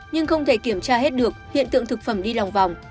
nhưng không thể kiểm tra hết được hiện tượng thực phẩm đi lòng vòng